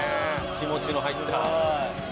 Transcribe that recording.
気持ちの入った」